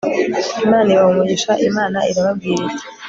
imana ibaha umugisha imana irababwira iti